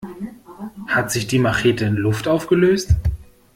Hat sich die Machete in Luft aufgelöst?